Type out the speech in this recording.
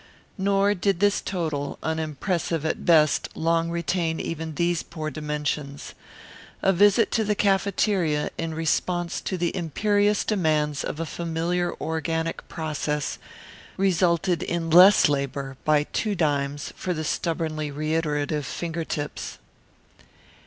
Nor did this total, unimpressive at best, long retain even these poor dimensions. A visit to the cafeteria, in response to the imperious demands of a familiar organic process, resulted in less labour, by two dimes, for the stubbornly reiterative fingertips.